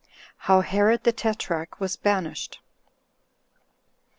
How Herod The Tetrarch Was Banished.